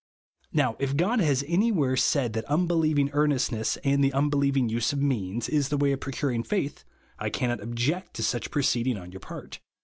Now, if God has anywhere said that unbelieving earnest ness and the unbelieving use of means is the way of procuring faith, I cannot object to such proceeding on your part.